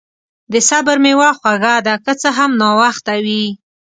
د صبر میوه خوږه ده، که څه هم ناوخته وي.